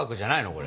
これ。